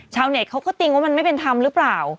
เน็ตเขาก็ติ้งว่ามันไม่เป็นธรรมหรือเปล่า